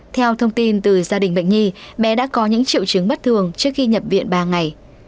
theo thông tin từ gia đình bệnh nhi bé đã có những triệu chứng bất thường trước khi nhập viện ba ngày